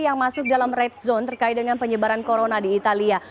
yang masuk dalam red zone terkait dengan penyebaran corona di italia